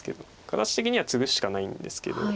形的にはツグしかないんですけど。